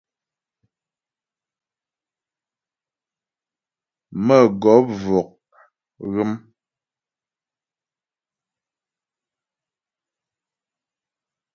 Mə̌gɔp vɔk ghə́m.